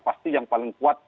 pasti yang paling kuat